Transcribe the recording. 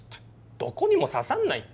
どこにも刺さんないって。